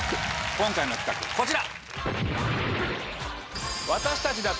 今回の企画こちら！